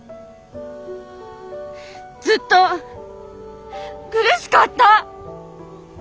ずっと苦しかった！